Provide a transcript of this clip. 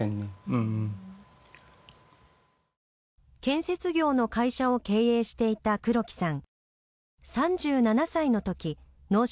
建設業の会社を経営していた黒木さん。